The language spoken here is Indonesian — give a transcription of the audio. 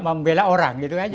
membela orang gitu aja